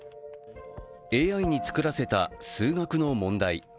ＡＩに作らせた数学の問題。